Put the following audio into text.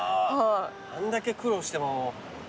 あんだけ苦労しても。